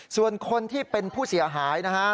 ส่วนคนที่เป็นผู้เสียหายนะฮะ